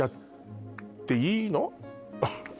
「あっ」